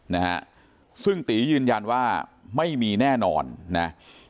นะฮะซึ่งตียืนยันว่าไม่มีแน่นอนนะ